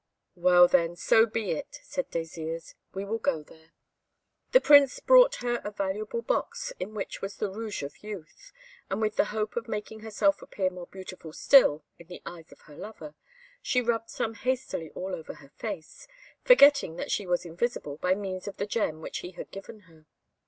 "Well, then, so be it," said Désirs; "we will go there." The Prince brought her a valuable box, in which was the Rouge of Youth; and with the hope of making herself appear more beautiful still in the eyes of her lover, she rubbed some hastily all over her face, forgetting that she was invisible by means of the gem which he had given her.